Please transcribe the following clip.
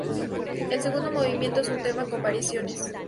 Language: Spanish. El segundo movimiento es un tema con variaciones.